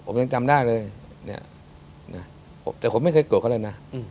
ผมยังจำได้เลยเนี่ยนะแต่ผมไม่เคยโกรธเขาเลยนะ